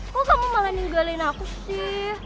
kok kamu malah ninggalin aku sih